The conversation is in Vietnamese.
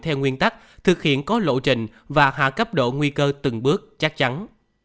theo nguyên tắc thực hiện có lộ trình và hạ cấp độ nguy cơ từng bước chắc chắn